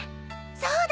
そうだ！